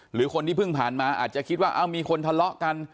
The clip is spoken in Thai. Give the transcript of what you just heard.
หรือคนที่เพิ่งผ่านมาอาจจะคิดว่ามีคนทะเลาะกัน